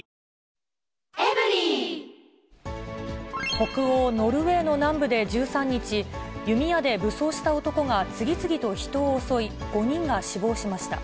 北欧ノルウェーの南部で１３日、弓矢で武装した男が次々と人を襲い、５人が死亡しました。